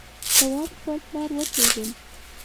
تواب خپل پلار وپېژند.